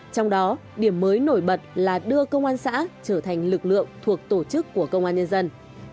trong đó điểm mới nổi bật là đưa công an xã trở thành lực lượng thuộc tổ chức của công an nhân dân